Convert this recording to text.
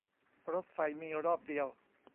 รถไฟมีรอบเดียว